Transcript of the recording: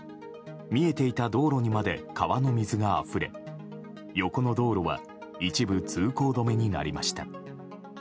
見えていた道路にまで川の水があふれ横の道路は一部通行止めになりました。